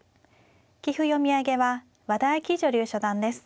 棋譜読み上げは和田あき女流初段です。